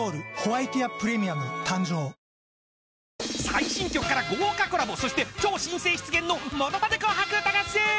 ［最新曲から豪華コラボそして超新星出現の『ものまね紅白歌合戦』］